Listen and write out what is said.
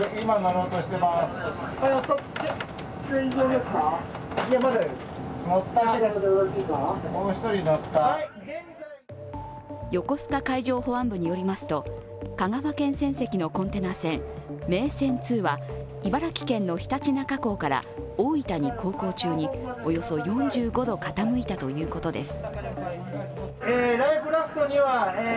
横須賀海上保安部によりますと、香川県船籍のコンテナ船「めいせん２」は茨城県の常陸那珂港から大分に航行中におよそ４５度傾いたということです。